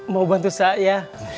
mau bantu saya